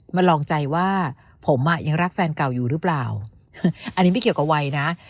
มาลองใจว่าผมอ่ะยังรักแฟนเก่าอยู่หรือเปล่าอันนี้ไม่เกี่ยวกับวัยนะ